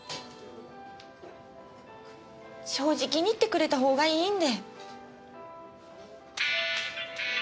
正直に言ってくれたほうがいいんで。